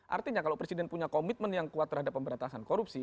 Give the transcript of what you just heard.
artinya kalau presiden punya komitmen yang kuat terhadap pemberantasan korupsi